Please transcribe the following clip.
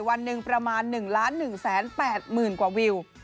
วันหนึ่งประมาณ๑ล้าน๑แสน๘หมื่นกว่าวิว